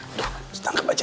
aduh setangkap aja